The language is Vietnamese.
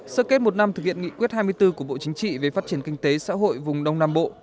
sơ kết một năm thực hiện nghị quyết hai mươi bốn của bộ chính trị về phát triển kinh tế xã hội vùng đông nam bộ